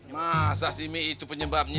masa sih mi itu penyebabnya